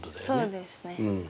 そうですね。